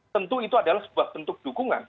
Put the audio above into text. tentu itu adalah sebuah bentuk dukungan